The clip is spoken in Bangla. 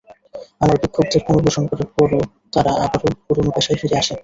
আমরা ভিক্ষুকদের পুনর্বাসন করার পরও তারা আবার পুরোনো পেশায় ফিরে আসে।